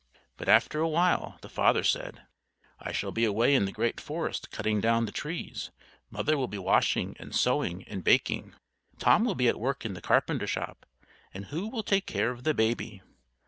But after a while the father said: "I shall be away in the great forest cutting down the trees; Mother will be washing and sewing and baking; Tom will be at work in the carpenter's shop; and who will take care of the baby?"